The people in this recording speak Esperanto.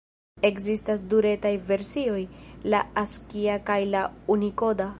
Ekzistas du retaj versioj: la askia kaj la unikoda.